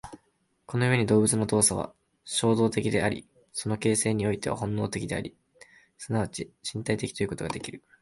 この故に動物の動作は衝動的であり、その形成において本能的であり、即ち身体的ということができる。